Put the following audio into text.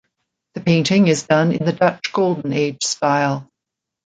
The painting is done in the Dutch Golden Age style.